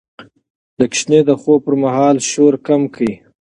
د ماشوم د خوب پر مهال شور کم کړئ.